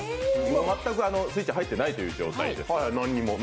全くスイッチ入っていない状態です。